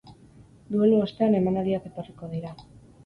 Duelu ostean emanaldiak etorriko dira.